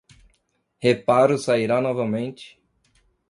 Reparo sairá novamente